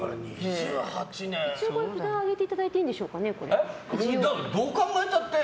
一応、札上げていただいていいですかね。